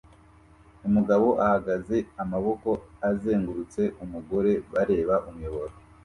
Umugabo ahagaze amaboko azengurutse umugore bareba umuyoboro